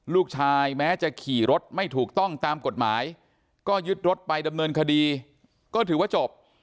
แม้จะขี่รถไม่ถูกต้องตามกฎหมายก็ยึดรถไปดำเนินคดีก็ถือว่าจบ